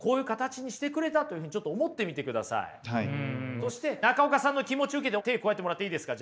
そして中岡さんの気持ちを受けて手加えてもらっていいですか？